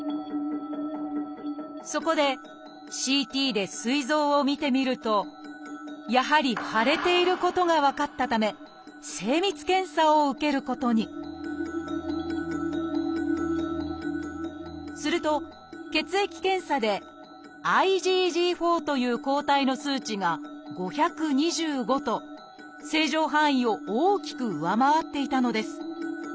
そこでＣＴですい臓を見てみるとやはり腫れていることが分かったため精密検査を受けることにすると血液検査で「ＩｇＧ４」という抗体の数値が「５２５」と正常範囲を大きく上回っていたのです。